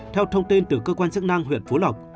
theo thông tin từ cơ quan chức năng huyện phú lộc